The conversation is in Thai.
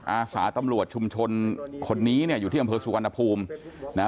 อาสาตำรวจชุมชนคนนี้เนี่ยอยู่ที่อำเภอสุวรรณภูมินะ